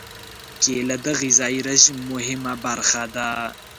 کېله د غذايي رژیم مهمه برخه ده.